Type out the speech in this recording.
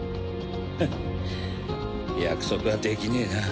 フッ約束はできねえな。